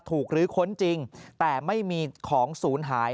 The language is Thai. ถูกลื้อค้นจริงแต่ไม่มีของสูญหาย